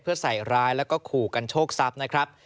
เพื่อใส่ร้ายแล้วก็ขู่กันโชคทรัพย์นะครับ